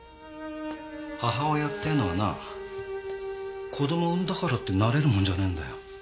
母親っていうのはな子供を産んだからってなれるもんじゃねぇんだよ。